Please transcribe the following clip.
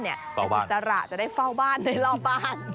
แล้วอิสระจะได้เฝ้าบ้านในรอบปาก